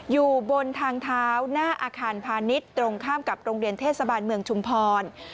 อยู่บนทางเท้าหน้าอาคารพาณิชย์ตรงข้ามกับโรงเรียนเทศบาลเมืองชุมพร